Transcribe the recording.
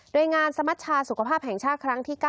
โดยงานสมัชชาสุขภาพแห่งชาติครั้งที่๙